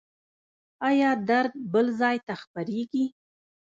ایا درد بل ځای ته خپریږي؟